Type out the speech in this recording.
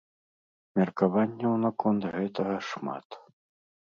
Меркаванняў наконт гэтага шмат.